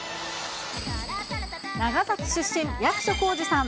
長崎出身、役所広司さん。